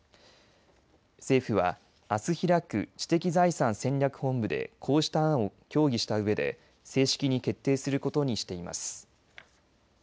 政府は、あす開く知的財産戦略本部でこうした案を協議したうえで正式に決定することにしています。